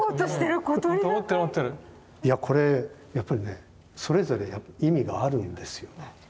いやこれやっぱりねそれぞれ意味があるんですよね。